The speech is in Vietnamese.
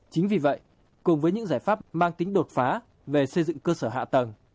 chính vì vậy cùng với những giải pháp mang tính đột phá về xây dựng cơ sở hạ tầng